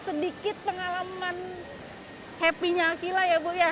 sedikit pengalaman happy nya akila ya bu ya